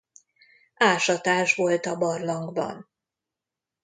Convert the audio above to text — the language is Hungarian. Ásatás volt a barlangban.